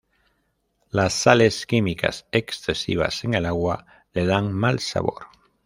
Las sales químicas excesivas en el agua le dan mal sabor.